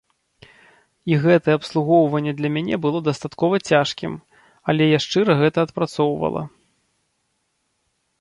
І гэтае абслугоўванне для мяне было дастаткова цяжкім, але я шчыра гэта адпрацоўвала.